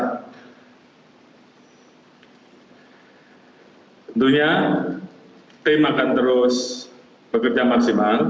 tentunya tim akan terus bekerja maksimal